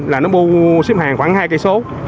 là nó bu xếp hàng khoảng hai km